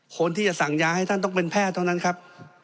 คนที่จะสั่งยาให้ท่านต้องเป็นแพทย์เท่านั้นครับ